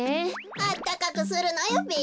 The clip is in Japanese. あったかくするのよべ。